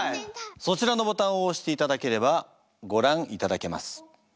そちらのボタンを押していただければご覧いただけます。え！